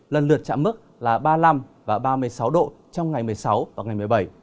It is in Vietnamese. lần lượt chạm mức là ba mươi năm và ba mươi sáu độ trong ngày một mươi sáu và ngày một mươi bảy